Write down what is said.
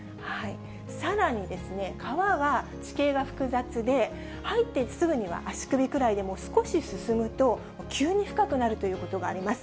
さらに川は地形が複雑で、入ってすぐには足首くらいでも、少し進むと、急に深くなるということがあります。